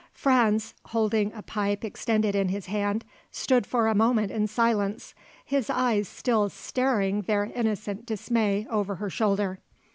Franz, holding a pipe extended in his hand, stood for a moment in silence his eyes still staring their innocent dismay over her shoulder.